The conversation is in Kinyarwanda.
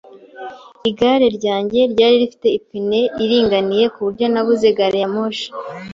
Igare ryanjye ryari rifite ipine iringaniye, ku buryo nabuze gari ya moshi.